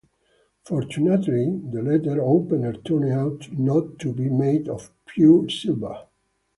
Fortunately, the letter opener turned out not to be made of pure silver.